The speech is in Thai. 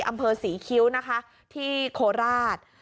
อำเภอศรีคิ้วนะคะที่โคราช